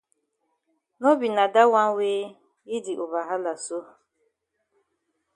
No be na dat wan wey yi di over hala so.